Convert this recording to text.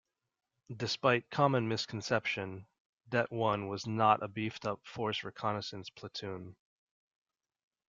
Despite common misconception, Det One was not a beefed up Force Reconnaissance platoon.